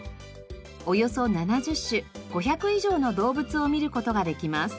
およそ７０種５００以上の動物を見る事ができます。